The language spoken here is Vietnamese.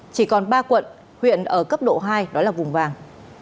chỉ còn ba quận huyện ở cấp độ hai đó là vùng vàng